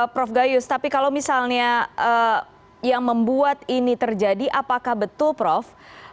prof gayus tapi kalau misalnya yang membuat ini terjadi apakah betul prof